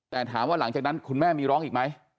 แต่ถามว่าหลังจากนั้นคุณแม่มีร้องอีกไหม